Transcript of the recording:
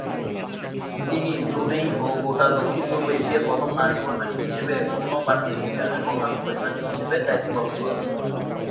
তিনি ব্রুনেই এবং গোটা দক্ষিণ-পূর্ব এশিয়ার প্রথম নারী বৈমানিক হিসেবে কোনো বাণিজ্যিক বিমানের প্রধান বৈমানিক হিসেবে দায়িত্ব পালন করেন।